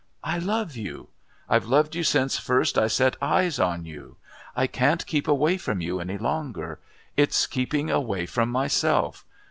I love you. I've loved you since first I set eyes on you. I can't keep away from you any longer. It's keeping away from myself.